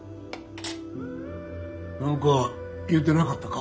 何か言うてなかったか？